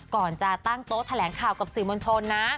ก่อนจะตั้งโต๊ะแถลงข่าวกับสื่อมวลชนนะ